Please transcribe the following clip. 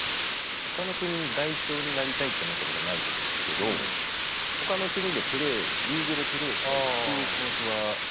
ほかの国の代表になりたいと思ったことないですけどほかの国でプレーリーグでプレーしたいっていう気持ちはありましたね。